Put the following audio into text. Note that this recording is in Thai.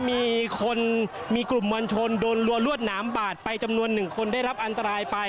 มีคนมีกลุ่มมวลชนโดนรัวรวดหนามบาดไปจำนวน๑คนได้รับอันตรายไป